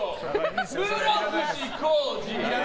室伏広治！